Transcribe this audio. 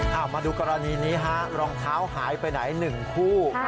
เอามาดูกรณีนี้ฮะรองเท้าหายไปไหน๑คู่